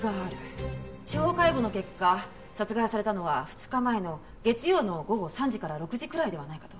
司法解剖の結果殺害されたのは２日前の月曜の午後３時から６時くらいではないかと。